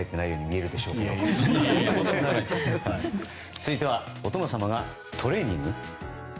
続いてはお殿様がトレーニング？